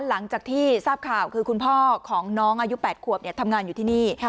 หลังจากที่ทราบข่าวคือคุณพ่อของน้องอายุ๘ขวบทำงานอยู่ที่นี่